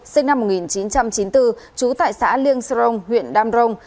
sinh năm một nghìn chín trăm chín mươi bốn trú tại xã liêng srong huyện đam rồng